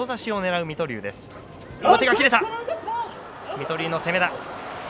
水戸龍の攻め。